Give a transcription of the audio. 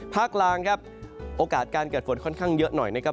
กลางครับโอกาสการเกิดฝนค่อนข้างเยอะหน่อยนะครับ